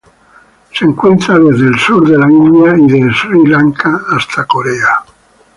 Se encuentra desde el sur de la India y de Sri Lanka hasta Corea.